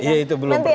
iya itu belum pernah